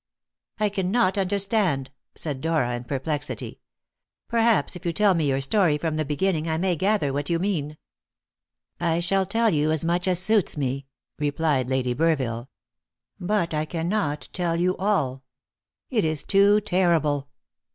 "I cannot understand," said Dora in perplexity. "Perhaps if you tell me your story from the beginning I may gather what you mean." "I shall tell you as much as suits me," replied Lady Burville, "but I cannot tell you all. It is too terrible!"